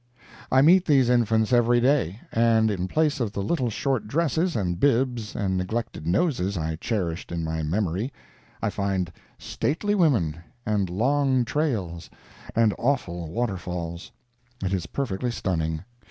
I meet these infants every day; and in place of the little short dresses and bibs and neglected noses I cherished in my memory, I find stately women, and long trails, and awful waterfalls. It is perfectly stunning.